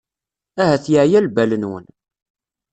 Ahat yeɛya lbal-nwen.